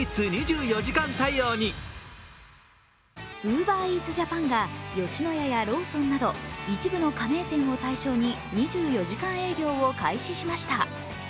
ＵｂｅｒＥａｔｓＪａｐａｎが吉野家やローソンなど一部の加盟店を対象に２４時間営業を開始しました。